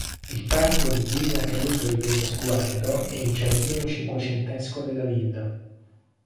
Il Parco di Villa Caruso di Bellosguardo è il giardino cinquecentesco della villa.